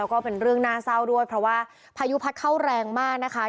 ก็เป็นเรื่องน่าเศร้าด้วยเพราะว่าพายุพัดเข้าแรงมากนะคะ